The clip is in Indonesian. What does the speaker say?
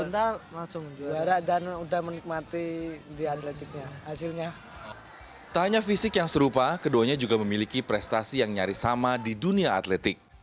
tak hanya fisik yang serupa keduanya juga memiliki prestasi yang nyaris sama di dunia atletik